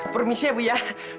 permisi ya bu ya